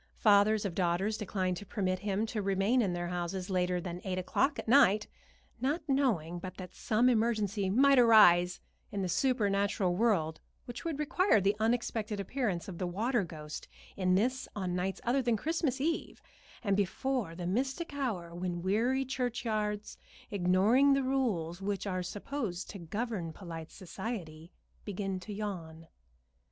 Fathers of daughters declined to permit him to remain in their houses later than eight o'clock at night, not knowing but that some emergency might arise in the supernatural world which would require the unexpected appearance of the water ghost in this on nights other than Christmas Eve, and before the mystic hour when weary churchyards, ignoring the rules which are supposed to govern polite society, begin to yawn.